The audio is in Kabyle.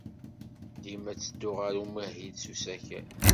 Dima ttedduɣ ɣer umahil s usakal.